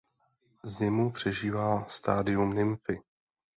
Zimu přežívá stádium nymfy.